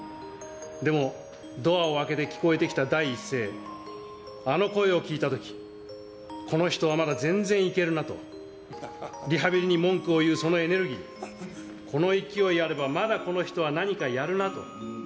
でもドアを開けて聞こえてきた第一声、あの声を聞いたとき、この人はまだ全然いけるなと、リハビリに文句を言うそのエネルギー、この勢いあれば、まだこの人は何かやるなと。